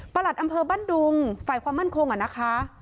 หลัดอำเภอบ้านดุงฝ่ายความมั่นคงนะคะ